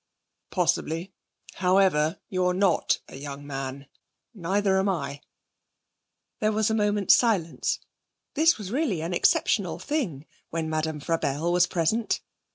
'Possibly. However, you're not a young man. Neither am I.' There was a moment's silence. This was really an exceptional thing when Madame Frabelle was present.